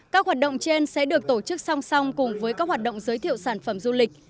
các hoạt động trên sẽ được tổ chức song song cùng với các hoạt động giới thiệu sản phẩm du lịch